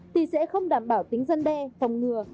thì sẽ không đảm bảo tính dân đe phòng ngừa